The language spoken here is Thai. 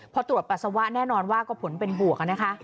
พอตรวจปัสสาวะแน่นอนว่าก็ผลเป็นบวกนะคะ